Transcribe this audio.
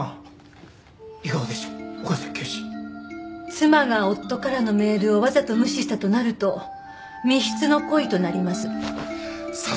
妻が夫からのメールをわざと無視したとなると未必の故意となります。